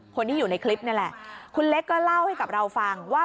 คนที่อยู่ในคลิปนี่แหละคุณเล็กก็เล่าให้กับเราฟังว่า